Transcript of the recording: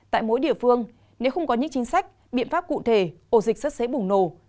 tại mỗi địa phương nếu không có những chính sách biện pháp cụ thể ổ dịch rất dễ bùng nổ